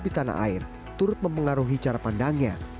di tanah air turut mempengaruhi cara pandangnya